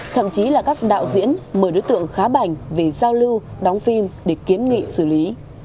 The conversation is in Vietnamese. thậm chí là các đạo diễn mời đối tượng khá bảnh về giao lưu đóng phim để kiến nghị xử lý